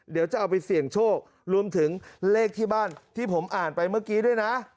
เดี๋ยวจะเอาไปเสี่ยงโชครวมถึงเลขที่บ้านที่ผมอ่านไปเมื่อกี้ด้วยนะ